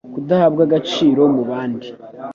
Kudahabwa agaciro mu bandi